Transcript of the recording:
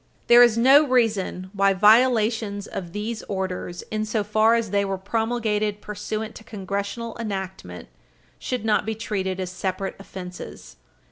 There is no reason why violations of these orders, insofar as they were promulgated pursuant to Congressional enactment, should not be treated as separate offenses.